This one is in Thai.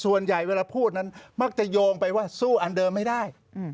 ส่วนใหญ่เวลาพูดนั้นมักจะโยงไปว่าสู้อันเดิมไม่ได้